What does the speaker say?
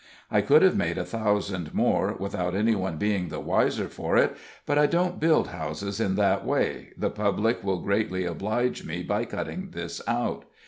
I could have made a thousand more, without any one being the wiser for it, but I don't build houses in that way the public will greatly oblige me by cutting this out.